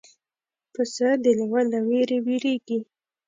پسه د لیوه له وېرې وېرېږي.